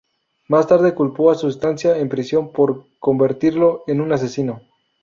Más tarde culpó a su estancia en prisión por convertirlo en un asesino.